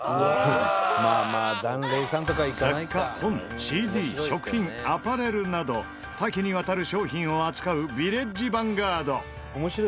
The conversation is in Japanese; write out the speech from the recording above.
雑貨本ＣＤ食品アパレルなど多岐にわたる商品を扱うヴィレッジヴァンガード。